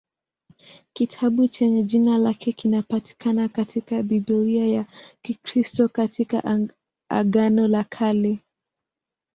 Kitabu chenye jina lake kinapatikana katika Biblia ya Kikristo katika Agano la Kale.